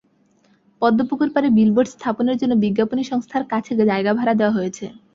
পদ্মপুকুর পাড়ে বিলবোর্ড স্থাপনের জন্য বিজ্ঞাপনী সংস্থার কাছে জায়গা ভাড়া দেওয়া হয়েছে।